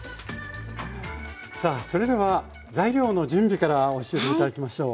さあそれでは材料の準備から教えて頂きましょう。